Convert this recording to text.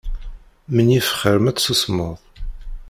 Menyif xir ma tessusmeḍ.